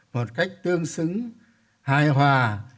một cách tương xứng hài hòa